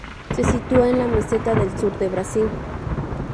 Se sitúa en la meseta del sur de Brasil.